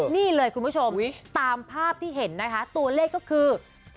นี่เลยคุณผู้ชมตามภาพที่เห็นนะคะตัวเลขก็คือ